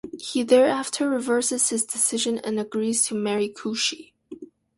He thereafter reverses his decision and agrees to marry Kushi.